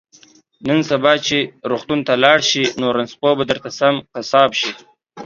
نن سبا چې روغتون ته لاړ شي نو رنځپوه به درته سم قصاب شي